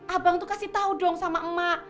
abang tuh kasih tahu dong sama emak